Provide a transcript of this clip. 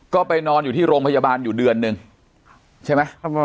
ก็ไปนอนอยู่ที่โรงพยาบาลอยู่เดือนหนึ่งใช่ไหม